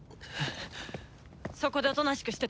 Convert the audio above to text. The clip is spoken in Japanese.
そこでおとなしくしてて。